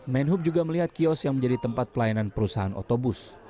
menhub juga melihat kios yang menjadi tempat pelayanan perusahaan otobus